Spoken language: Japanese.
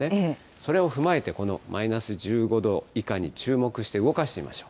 それを踏まえて、このマイナス１５度以下に注目して動かしてみましょう。